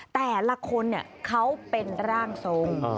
แต่ละคนเขาเป็นร่างทรง